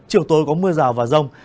chiều tối có mưa rào và rông